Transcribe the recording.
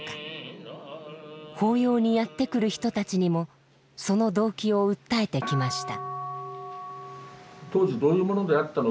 法要にやって来る人たちにもその動機を訴えてきました。